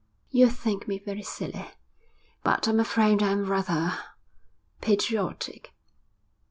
You'll think me very silly, but I'm afraid I'm rather patriotic.